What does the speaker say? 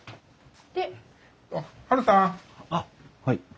あっはい。